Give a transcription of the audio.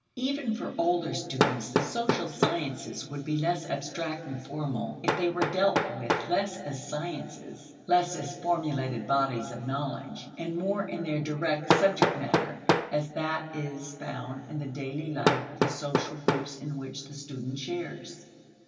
Even for older students, the social sciences would be less abstract and formal if they were dealt with less as sciences (less as formulated bodies of knowledge) and more in their direct subject matter as that is found in the daily life of the social groups in which the student shares.